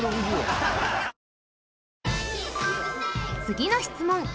［次の質問］